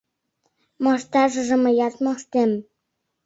— Мошташыже мыят моштем.